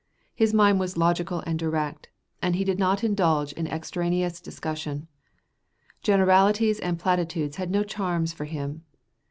His mind was logical and direct, and he did not indulge in extraneous discussion. Generalities and platitudes had no charms for him.